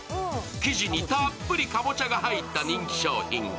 生地にたっぷりかぼちゃが入った人気商品。